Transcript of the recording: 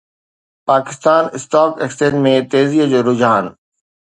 Pakistan stock exchange ۾ تيزيءَ جو رجحان